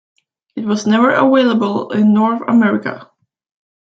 It was never available in North America.